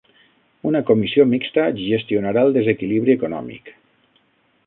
Una comissió mixta gestionarà el desequilibri econòmic